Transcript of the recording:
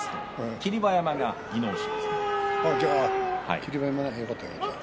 霧馬山が技能賞。